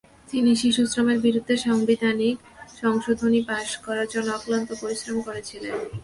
তিনি শিশুশ্রমের বিরুদ্ধে সাংবিধানিক সংশোধনী পাস করার জন্য অক্লান্ত পরিশ্রম করেছিলেন।